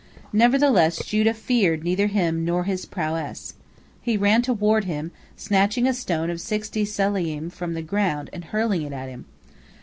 Nevertheless Judah feared neither him nor his prowess. He ran toward him, snatching a stone of sixty sela'im from the ground and hurling it at him.